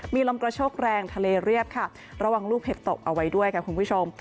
มีลมกระโชกแรงทะเลเรียบค่ะระวังลูกเห็บตกเอาไว้ด้วยค่ะคุณผู้ชม